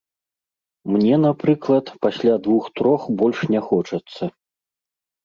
Мне, напрыклад, пасля двух-трох больш не хочацца.